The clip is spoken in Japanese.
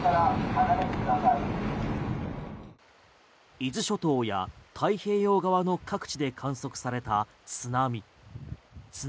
伊豆諸島や太平洋側の各地で観測された津波。